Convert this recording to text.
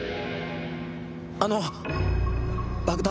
あの爆弾